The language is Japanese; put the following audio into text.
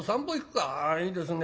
「あいいですね」。